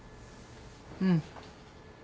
うん。